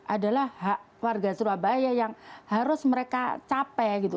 adalah warga surabaya yang harus mereka capek gitu